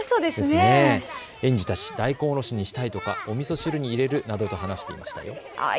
園児たち、大根おろしにしたいとか、おみそ汁に入れると話していました。